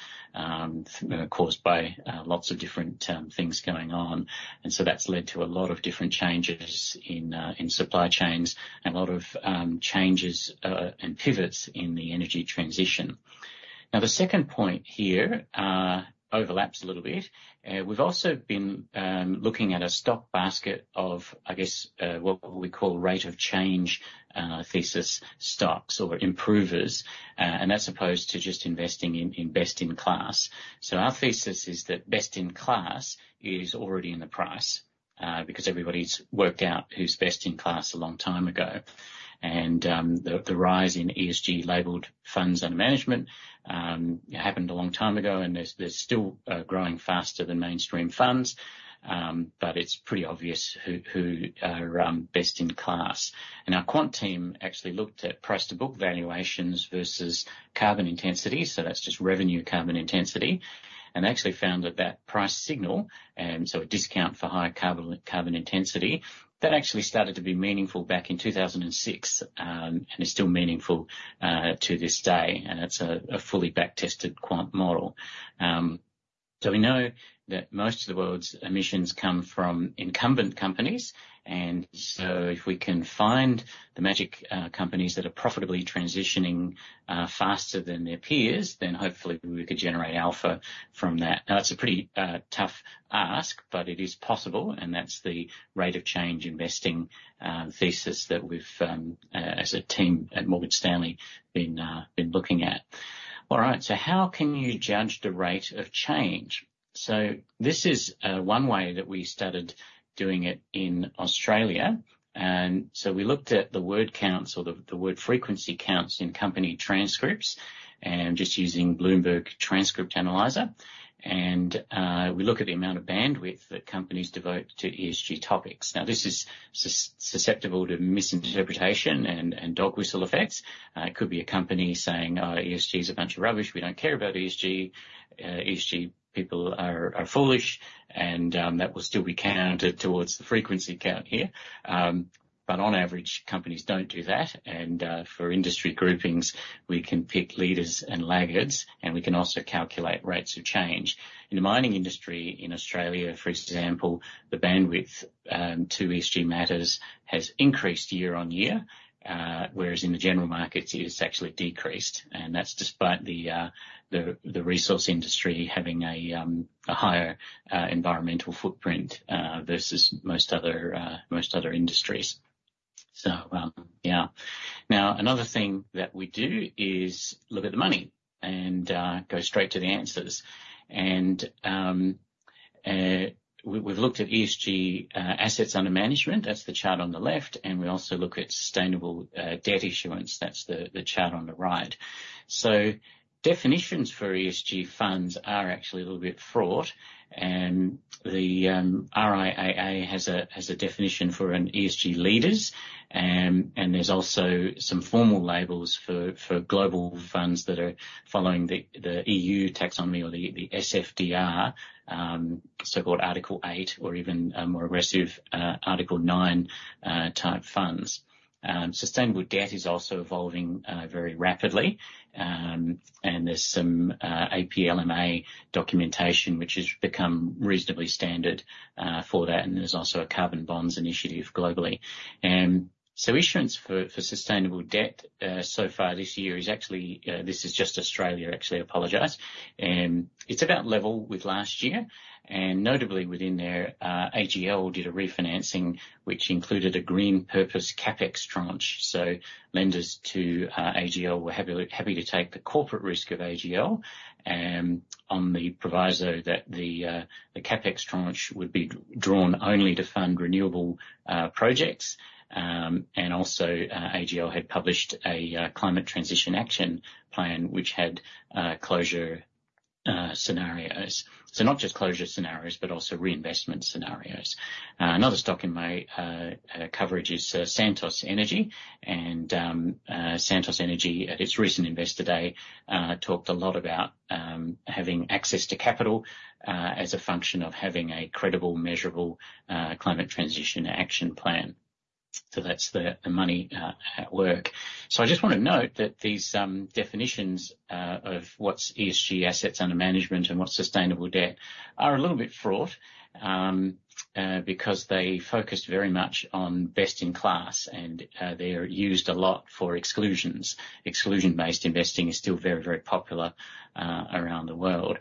caused by lots of different things going on. And so that's led to a lot of different changes in supply chains and a lot of changes and pivots in the energy transition. Now, the second point here overlaps a little bit. We've also been looking at a stock basket of, I guess, what we call rate of change thesis stocks or improvers, and that's opposed to just investing in best-in-class. So our thesis is that best in class is already in the price because everybody's worked out who's best in class a long time ago. The rise in ESG-labeled funds under management happened a long time ago, and they're still growing faster than mainstream funds. But it's pretty obvious who are best in class. Our quant team actually looked at price-to-book valuations versus carbon intensity, so that's just revenue carbon intensity, and actually found that price signal, and so a discount for high carbon intensity, that actually started to be meaningful back in 2006, and is still meaningful to this day, and it's a fully back-tested quant model. So we know that most of the world's emissions come from incumbent companies, and so if we can find the magic companies that are profitably transitioning faster than their peers, then hopefully we could generate alpha from that. Now, it's a pretty tough ask, but it is possible, and that's the rate of change investing thesis that we've as a team at Morgan Stanley been looking at. All right, so how can you judge the rate of change? So this is one way that we started doing it in Australia, and so we looked at the word counts or the word frequency counts in company transcripts, and just using Bloomberg Transcript Analyzer. And we look at the amount of bandwidth that companies devote to ESG topics. Now, this is susceptible to misinterpretation and dog whistle effects. It could be a company saying, "Oh, ESG is a bunch of rubbish. We don't care about ESG. ESG people are foolish," and that will still be counted towards the frequency count here. But on average, companies don't do that, and for industry groupings, we can pick leaders and laggards, and we can also calculate rates of change. In the mining industry in Australia, for example, the bandwidth to ESG matters has increased year on year, whereas in the general market, it's actually decreased, and that's despite the resource industry having a higher environmental footprint versus most other industries. Now, another thing that we do is look at the money and go straight to the answers. We've looked at ESG assets under management. That's the chart on the left, and we also look at sustainable debt issuance. That's the chart on the right. So definitions for ESG funds are actually a little bit fraught, and the RIAA has a definition for an ESG Leaders. And there's also some formal labels for global funds that are following the EU taxonomy or the SFDR, so-called Article 8 or even a more aggressive Article 9 type funds. Sustainable debt is also evolving very rapidly, and there's some APLMA documentation, which has become reasonably standard for that, and there's also a Carbon Bonds Initiative globally. So issuance for sustainable debt so far this year is actually this is just Australia, actually. I apologize. It's about level with last year, and notably within there AGL did a refinancing, which included a green purpose CapEx tranche. So lenders to AGL were happy, happy to take the corporate risk of AGL, on the proviso that the the CapEx tranche would be drawn only to fund renewable projects. And also, AGL had published a climate transition action plan, which had closure scenarios. So not just closure scenarios, but also reinvestment scenarios. Another stock in my coverage is Santos Energy, and Santos Energy, at its recent Investor Day, talked a lot about having access to capital, as a function of having a credible, measurable climate transition action plan. So that's the the money at work. So I just want to note that these definitions of what's ESG assets under management and what's sustainable debt are a little bit fraught, because they focused very much on best in class, and they're used a lot for exclusions. Exclusion-based investing is still very, very popular around the world.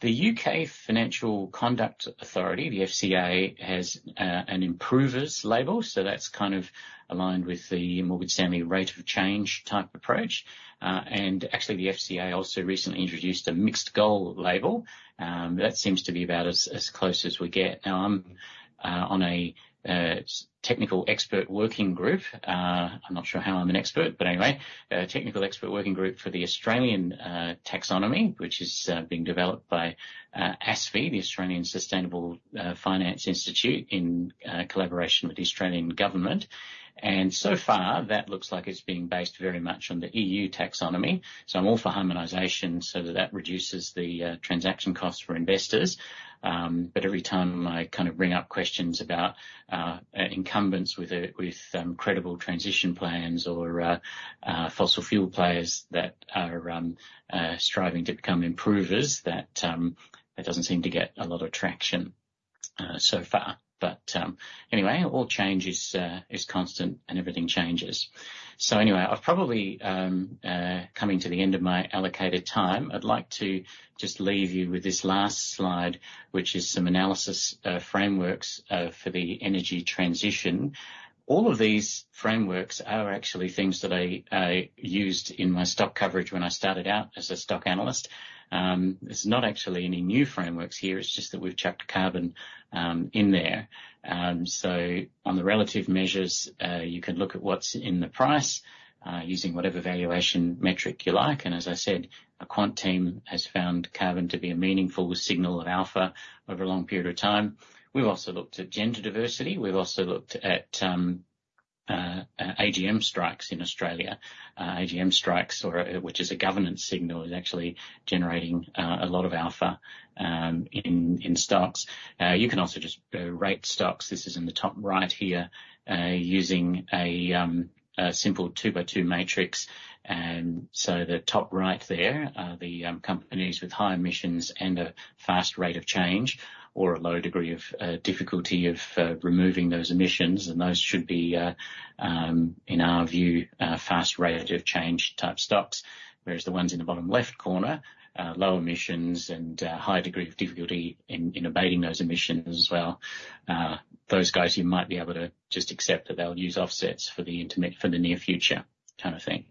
The U.K. Financial Conduct Authority, the FCA, has an Improvers label, so that's kind of aligned with the Morgan Stanley rate of change type approach. And actually, the FCA also recently introduced a Mixed Goals label that seems to be about as close as we get. Now, I'm on a technical expert working group. I'm not sure how I'm an expert, but anyway. Technical expert working group for the Australian taxonomy, which is being developed by ASFI, the Australian Sustainable Finance Institute, in collaboration with the Australian Government. And so far, that looks like it's being based very much on the EU Taxonomy. So I'm all for harmonization, so that reduces the transaction costs for investors. But every time I kind of bring up questions about incumbents with a, with credible transition plans or fossil fuel players that are striving to become improvers, that doesn't seem to get a lot of traction so far. But anyway, all change is constant and everything changes. So anyway, I've probably coming to the end of my allocated time. I'd like to just leave you with this last slide, which is some analysis frameworks for the energy transition. All of these frameworks are actually things that I used in my stock coverage when I started out as a stock analyst. There's not actually any new frameworks here; it's just that we've chucked carbon in there. So on the relative measures, you can look at what's in the price using whatever valuation metric you like. As I said, a quant team has found carbon to be a meaningful signal of alpha over a long period of time. We've also looked at gender diversity. We've also looked at AGM strikes in Australia. AGM strikes, which is a governance signal, is actually generating a lot of alpha in stocks. You can also just rate stocks. This is in the top right here, using a simple two-by-two matrix. And so the top right there are the companies with high emissions and a fast rate of change, or a low degree of difficulty of removing those emissions. And those should be, in our view, a fast rate of change type stocks. Whereas the ones in the bottom left corner, low emissions and high degree of difficulty in abating those emissions as well, those guys, you might be able to just accept that they'll use offsets for the intermit- for the near future kind of thing.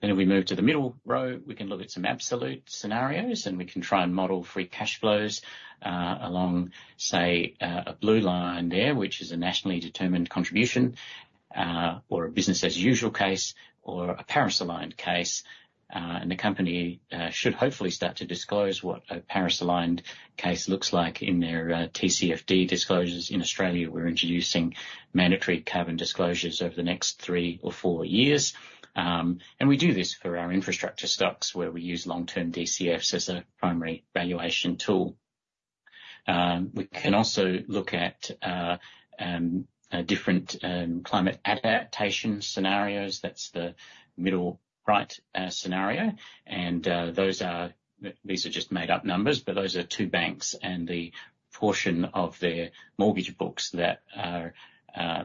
Then if we move to the middle row, we can look at some absolute scenarios, and we can try and model free cash flows, along, say, a blue line there, which is a nationally determined contribution, or a business as usual case, or a Paris-aligned case. And the company should hopefully start to disclose what a Paris-aligned case looks like in their TCFD disclosures. In Australia, we're introducing mandatory carbon disclosures over the next three or four years. And we do this for our infrastructure stocks, where we use long-term DCFs as a primary valuation tool. We can also look at different climate adaptation scenarios. That's the middle-right scenario. And those are. These are just made-up numbers, but those are two banks and the portion of their mortgage books that are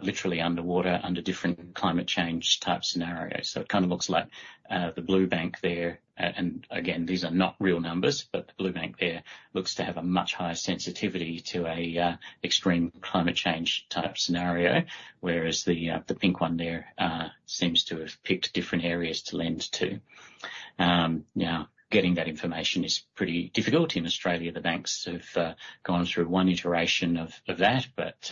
literally underwater under different climate change type scenarios. So it kind of looks like the blue bank there. And again, these are not real numbers, but the blue bank there looks to have a much higher sensitivity to a extreme climate change type scenario, whereas the pink one there seems to have picked different areas to lend to. Now, getting that information is pretty difficult. In Australia, the banks have gone through one iteration of that, but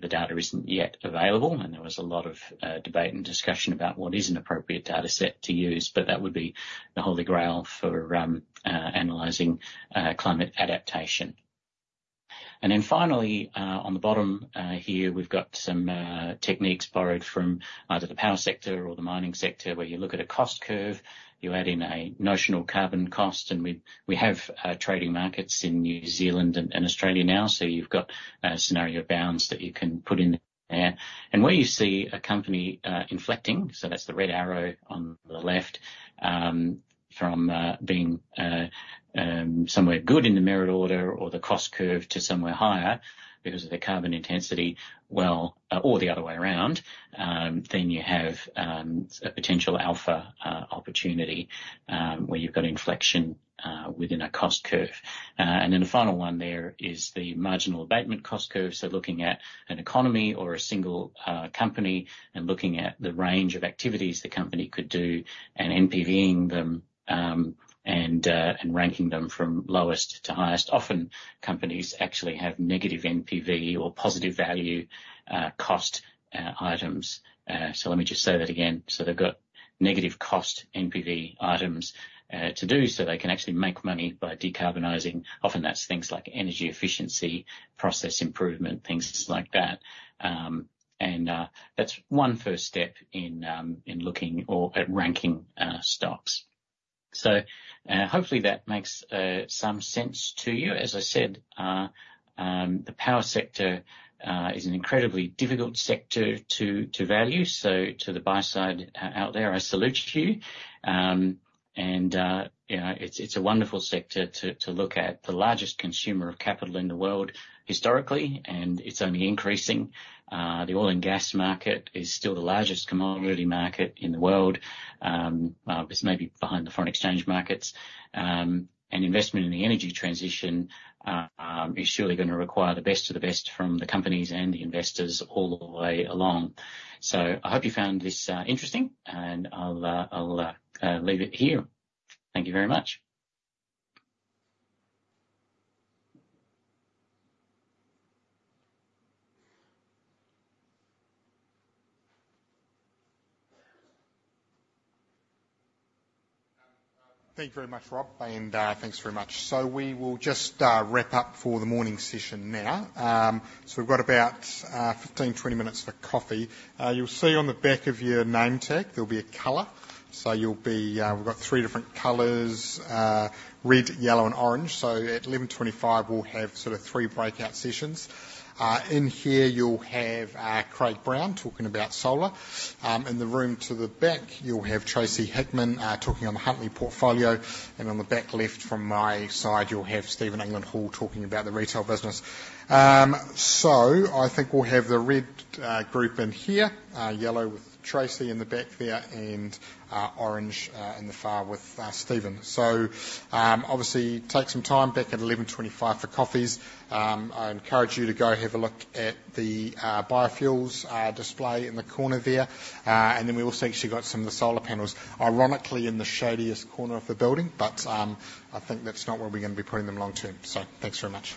the data isn't yet available, and there was a lot of debate and discussion about what is an appropriate data set to use. But that would be the Holy Grail for analyzing climate adaptation. And then finally, on the bottom, here, we've got some techniques borrowed from either the power sector or the mining sector, where you look at a cost curve, you add in a notional carbon cost, and we have trading markets in New Zealand and Australia now. So you've got scenario bounds that you can put in there. And where you see a company inflecting, so that's the red arrow on the left, from being somewhere good in the merit order or the cost curve to somewhere higher because of the carbon intensity, well, or the other way around, then you have a potential alpha opportunity, where you've got inflection within a cost curve. And then the final one, there is the marginal abatement cost curve. So looking at an economy or a single company, and looking at the range of activities the company could do, and NPV-ing them, and ranking them from lowest to highest. Often, companies actually have negative NPV or positive value cost items. So let me just say that again. So they've got negative cost NPV items to do, so they can actually make money by decarbonizing. Often that's things like energy efficiency, process improvement, things like that. And that's one first step in looking or at ranking stocks. So hopefully that makes some sense to you. As I said, the power sector is an incredibly difficult sector to value. So to the buy side out there, I salute you. And, you know, it's a wonderful sector to look at. The largest consumer of capital in the world historically, and it's only increasing. The oil and gas market is still the largest commodity market in the world. It's maybe behind the foreign exchange markets. And investment in the energy transition is surely gonna require the best of the best from the companies and the investors all the way along. So I hope you found this interesting, and I'll leave it here. Thank you very much. Thank you very much, Rob, and, thanks very much. So we will just, wrap up for the morning session now. So we've got about, 15, 20 minutes for coffee. You'll see on the back of your name tag, there'll be a color. So you'll be... We've got three different colors, red, yellow, and orange. So at 11:25 AM, we'll have sort of three breakout sessions. In here you'll have, Craig Brown talking about solar. In the room to the back, you'll have Tracey Hickman, talking on the Huntly portfolio. And on the back left from my side, you'll have Steven England Hall talking about the retail business. So I think we'll have the red, group in here, yellow with Tracey in the back there, and, orange, in the far with Steven. So, obviously take some time. Back at 11:25 AM for coffees. I encourage you to go have a look at the biofuels display in the corner there. And then we've also actually got some of the solar panels, ironically, in the shadiest corner of the building, but I think that's not where we're gonna be putting them long term. So thanks very much.